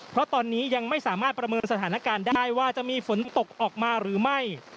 เพราะตอนนี้ยังไม่สามารถประเมินสถานการณ์ได้ว่าจะมีฝนตกออกมาหรือไม่